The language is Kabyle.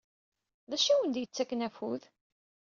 D acu i awen-d-yettakken afud?